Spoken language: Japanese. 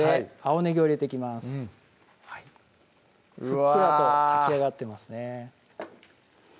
ふっくらと炊き上がってますね